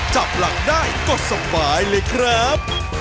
จับหลังได้กดสบายเลยครับ